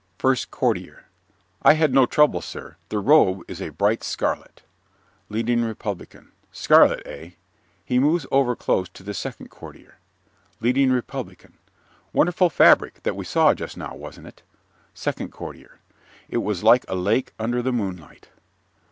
FIRST COURTIER I had no trouble, sir. The robe is a bright scarlet. LEADING REPUBLICAN Scarlet, eh? (He moves over close to the second Courtier.) LEADING REPUBLICAN Wonderful fabric that we saw just now, wasn't it? SECOND COURTIER It was like a lake under the moonlight.